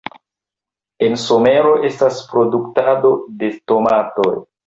En somero estas produktado de tomatoj.